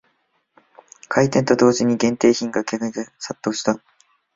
開店と同時に限定品に客が殺到した